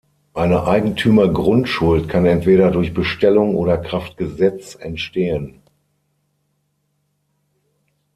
Eine Eigentümergrundschuld kann entweder durch Bestellung oder kraft Gesetz entstehen.